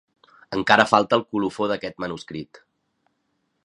Encara falta el colofó d'aquest manuscrit.